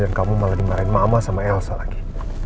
dan kamu malah dimarahin mama sama elsa lagi